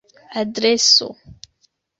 adreso